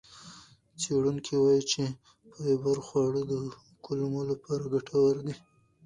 څېړونکي وایي چې فایبر خواړه د کولمو لپاره ګټور دي.